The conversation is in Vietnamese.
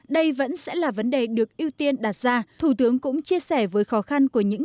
đây vẫn sẽ là vấn đề được ưu tiên đặt ra thủ tướng cũng chia sẻ với khó khăn của những